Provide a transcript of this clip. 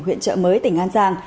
huyện trợ mới tỉnh an giang